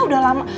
kok kamu nungguin